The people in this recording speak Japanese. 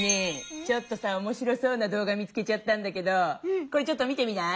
ちょっとさおもしろそうなどう画見つけちゃったんだけどこれちょっと見てみない？